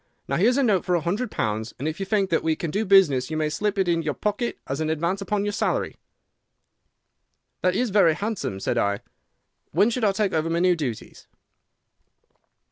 Now, here's a note for a hundred pounds, and if you think that we can do business you may just slip it into your pocket as an advance upon your salary.' "'That is very handsome,' said I. 'When should I take over my new duties?